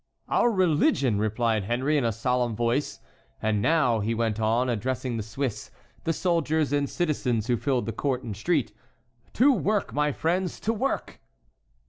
"Our religion," replied Henry, in a solemn voice. "And now," he went on, addressing the Swiss, the soldiers, and citizens who filled the court and street, "to work, my friends, to work!"